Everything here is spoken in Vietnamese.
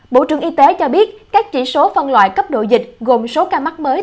bộ trưởng y tế cho biết các chỉ số phân loại cấp độ dịch gồm số ca mắc mới